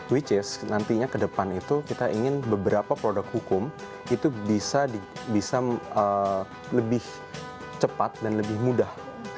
which is nantinya ke depan itu kita ingin beberapa produk hukum itu bisa lebih cepat dan lebih mudah